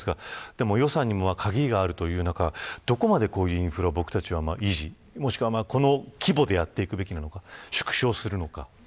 でも、予算にも限りがある中どこまでインフラを維持もしくはこの規模でやっていくべきなのか縮小すべきなのか。